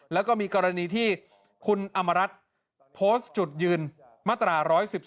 แล้วก็มีกรณีที่คุณอมรัฐโพสต์จุดยืนมาตรา๑๑๒